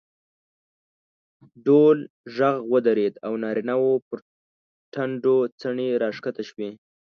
ډول غږ ودرېد او نارینه وو پر ټنډو څڼې راکښته شوې.